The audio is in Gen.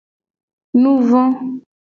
Nuvo.